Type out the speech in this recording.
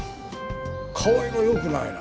顔色良くないな。